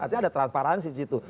artinya ada transparansi di situ